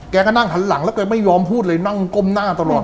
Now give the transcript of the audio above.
แกก็นั่งหันหลังแล้วแกไม่ยอมพูดเลยนั่งก้มหน้าตลอด